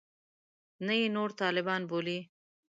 نه یې نور طالبان بولي.